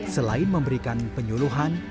selain memberikan penyuluhan